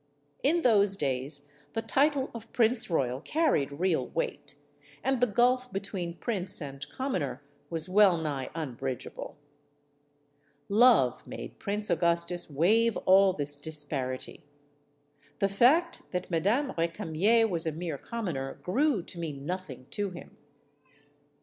In those days the title of prince royal carried real weight, and the gulf between prince and commoner was well nigh unbridgeable. Love made Prince Augustus waive all this disparity. The fact that Madame Recamier was a mere commoner grew to mean nothing to him.